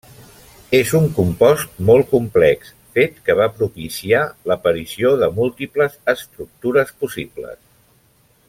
És un compost molt complex, fet que va propiciar l'aparició de múltiples estructures possibles.